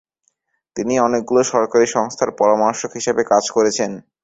তিনি অনেকগুলো সরকারি সংস্থার পরামর্শক হিসেবে কাজ করেছেন।